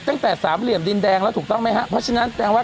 ทางกลุ่มมวลชนทะลุฟ้าทางกลุ่มมวลชนทะลุฟ้า